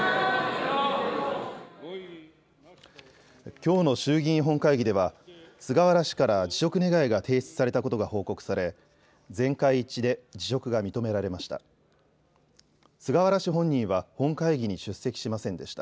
きょうの衆議院本会議では菅原氏から辞職願が提出されたことが報告され全会一致で辞職が認められました。